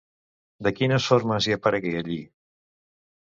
De quines formes hi aparegué allí?